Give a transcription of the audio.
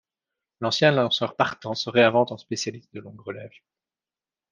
L'ancien lanceur partant se réinvente en spécialiste de longue relève.